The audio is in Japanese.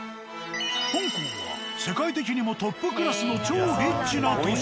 香港は世界的にもトップクラスの超リッチな都市。